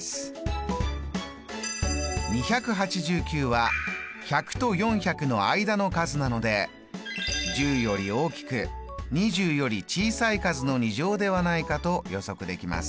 ２８９は１００と４００の間の数なので１０より大きく２０より小さい数の２乗ではないかと予測できます。